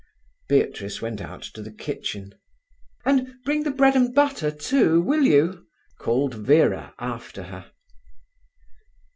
Beatrice went out to the kitchen. "And bring the bread and butter, too, will you?" called Vera after her.